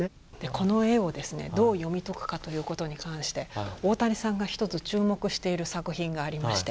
この絵をですねどう読み解くかということに関して大谷さんが一つ注目している作品がありまして。